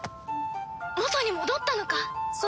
元に戻ったのかソノイ！